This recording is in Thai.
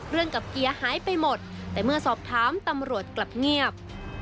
กับเกียร์หายไปหมดแต่เมื่อสอบถามตำรวจกลับเงียบ